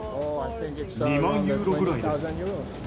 ２万ユーロぐらいです。